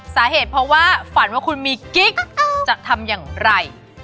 สาเหตุเพราะว่าฝันว่าคุณมีกิ๊กจะทำอย่างไร